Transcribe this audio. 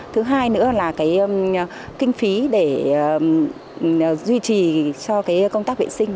thứ hai nữa là cái kinh phí để duy trì cho công tác vệ sinh